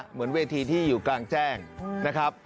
เหมือนเวทีที่อยู่กลางแจ้งนะครับ